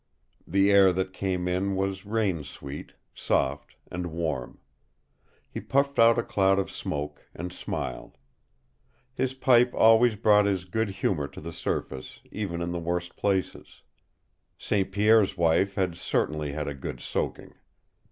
The air that came in was rain sweet, soft, and warm. He puffed out a cloud of smoke and smiled. His pipe always brought his good humor to the surface, even in the worst places. St. Pierre's wife had certainly had a good soaking.